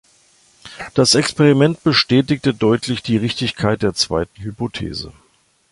Das Experiment bestätigte deutlich die Richtigkeit der zweiten Hypothese.